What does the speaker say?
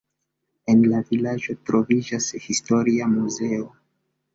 En la vilaĝo troviĝas historia muzeo.